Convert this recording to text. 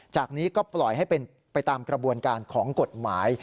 จากนี้ก็ปล่อยให้เป็นไปตามกระบวนการของกฎหมาย